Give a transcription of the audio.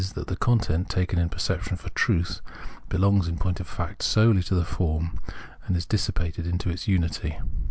that the content, taken in perception for truth, belongs, in point of fact, solely to the form, and is dissipated into its unity.